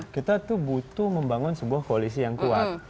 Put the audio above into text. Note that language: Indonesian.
kita tuh butuh membangun sebuah koalisi yang kuat